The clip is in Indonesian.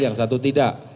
yang satu tidak